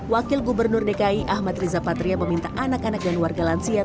wakil gubernur dki ahmad riza patria meminta anak anak dan warga lansia